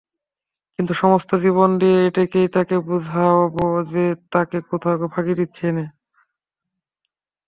কিন্তু সমস্ত জীবন দিয়ে এইটেই তাঁকে বোঝাব যে, তাঁকে কোথাও ফাঁকি দিচ্ছি নে।